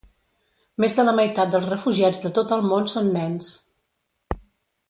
Més de la meitat dels refugiats de tot el món són nens.